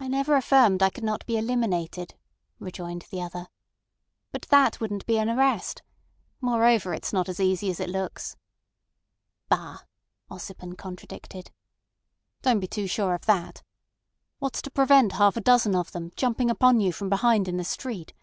"I never affirmed I could not be eliminated," rejoined the other. "But that wouldn't be an arrest. Moreover, it's not so easy as it looks." "Bah!" Ossipon contradicted. "Don't be too sure of that. What's to prevent half a dozen of them jumping upon you from behind in the street?